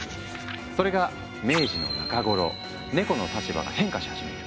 それが明治の中頃ネコの立場が変化し始める。